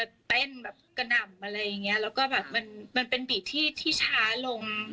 เต้นแบบกระหน่ำอะไรอย่างเงี้ยแล้วก็แบบมันมันเป็นบีดที่ที่ช้าลง